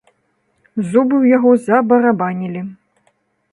Зубы ў яго забарабанілі.